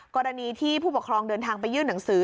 กรณีที่ผู้ปกครองเดินทางไปยื่นหนังสือ